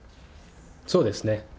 そうですね。